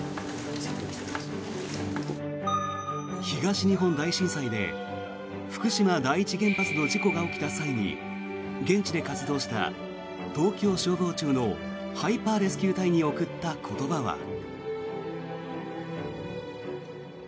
東日本大震災で福島第一原発の事故が起きた際に現地で活動した東京消防庁のハイパーレスキュー隊に送った言葉は。